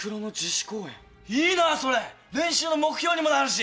練習の目標にもなるし。